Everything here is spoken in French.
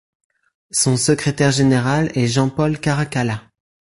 Son secrétaire général est Jean-Paul Caracalla.